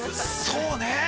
◆そうね。